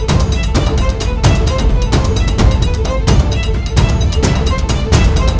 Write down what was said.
aku orang yang tersakti di muka bumi ini